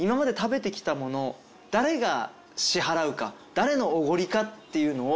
誰のおごりかっていうのを。